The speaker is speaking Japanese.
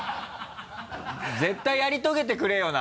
絶対やり遂げてくれよな！